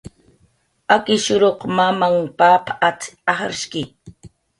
"Akishuruq mamahn pap at"" ajrshki"